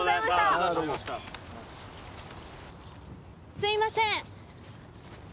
すいません！